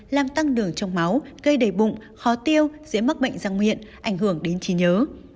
làm tăng đường trong máu gây đầy bụng khó tiêu dễ mắc bệnh răng miệng ảnh hưởng đến trí nhớ